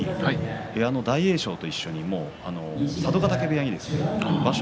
部屋の大栄翔と一緒に佐渡ヶ嶽部屋に場所